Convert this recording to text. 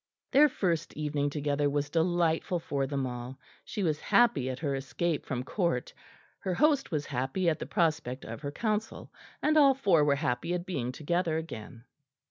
Their first evening together was delightful for them all. She was happy at her escape from Court; her host was happy at the prospect of her counsel; and all four were happy at being together again.